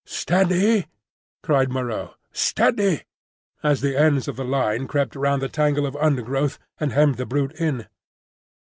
"Steady!" cried Moreau, "steady!" as the ends of the line crept round the tangle of undergrowth and hemmed the brute in.